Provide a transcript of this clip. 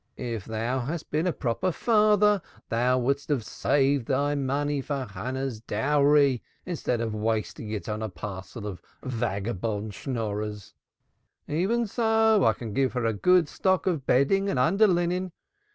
If thou hadst been a proper father thou wouldst have saved thy money for Hannah's dowry, instead of wasting it on a parcel of vagabond Schnorrers. Even so I can give her a good stock of bedding and under linen.